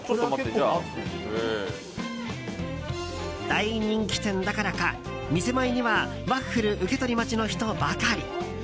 大人気店だからか、店前にはワッフル受け取り待ちの人ばかり。